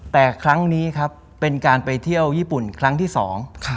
แต่ครั้งนี้ครับเป็นการไปเที่ยวญี่ปุ่นครั้งที่สอง